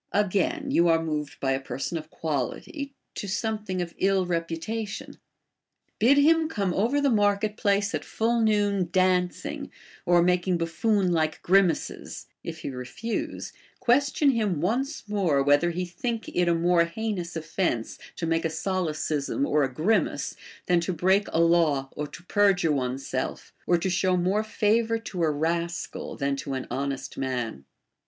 Again, you are moved by a per son of quality to something of ill reputation : bid him come over the market place at full noon dancing, or making buffoon like grimaces ; if he refuse, question him once more, whether he think it a more heinous offence to make a solecism or a grimace, than to break a law or to perjure one's self, or to show more favor to a rascal than to an honest man.